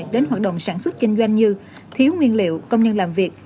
đến hoạt động sản xuất kinh doanh như thiếu nguyên liệu công nhân làm việc